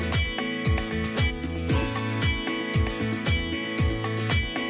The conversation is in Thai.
ที่ไม่มี